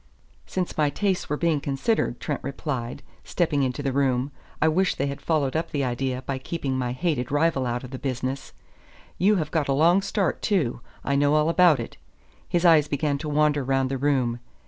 "Since my tastes were being considered," Trent replied, stepping into the room, "I wish they had followed up the idea by keeping my hated rival out of the business. You have got a long start, too I know all about it." His eyes began to wander round the room.